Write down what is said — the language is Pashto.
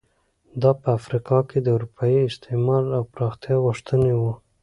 دا په افریقا کې د اروپایي استعمار او پراختیا غوښتنې وو.